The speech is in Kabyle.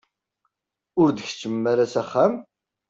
Ur d-tkeččmem ara s axxam?